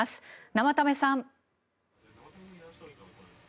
生田目さん。